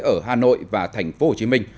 ở hà nội và thành phố hồ chí minh